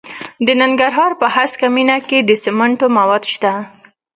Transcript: د ننګرهار په هسکه مینه کې د سمنټو مواد شته.